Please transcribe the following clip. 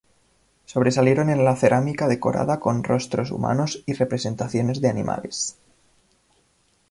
Sobresalieron en la cerámica decorada con rostros humanos y representaciones de animales.